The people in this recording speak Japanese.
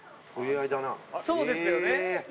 そうですよね。